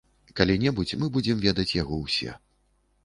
Калі небудзь мы будзем ведаць яго ўсе.